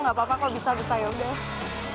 gak apa apa kalau bisa bisa yaudah